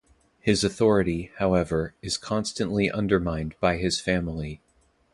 His authority, however, is constantly undermined by his family.